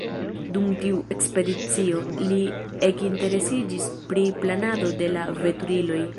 Dum tiu ekspedicio, li ekinteresiĝis pri planado de la veturiloj.